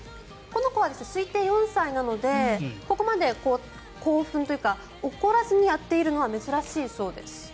この子は推定４歳なのでここまで興奮というか怒らずにやっているのは珍しいそうです。